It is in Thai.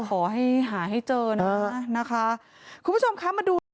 ขอหาให้เจอนะคุณผู้ชมคะมาดู